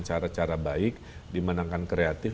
cara cara baik dimenangkan kreatif